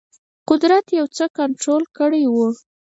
قدرت یو څه کنټرول کړی وو.